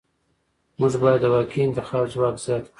موږ باید د واقعي انتخاب ځواک زیات کړو.